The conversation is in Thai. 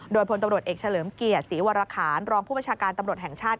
โดยพลตำรวจเอกเฉลิมเกียรติศรีวรคารรองผู้บัญชาการตำรวจแห่งชาติ